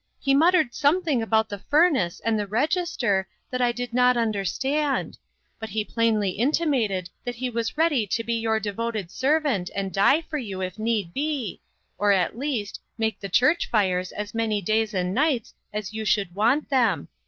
He muttered something about the furnace and the register that I did not understand ; but he plainly intimated that he was ready to be your devoted servant, and die for you, if need be, or at least, make the church fires as many days and nights as you should want them.